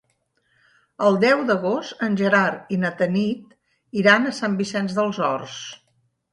El deu d'agost en Gerard i na Tanit iran a Sant Vicenç dels Horts.